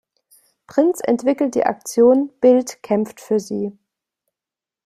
Prinz entwickelte die Aktion "Bild kämpft für Sie".